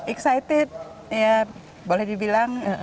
excited ya boleh dibilang